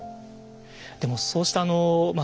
でもそうしたあのまあね